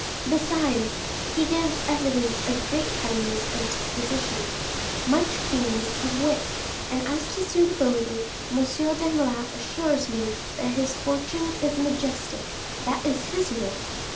Besides, he gives evidence of great kindness of disposition, much keenness of wit, and as to suitability, M. Danglars assures me that his fortune is majestic—that is his word."